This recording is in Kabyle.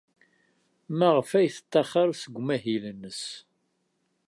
Maɣef ay tettaxer seg umahil-nnes?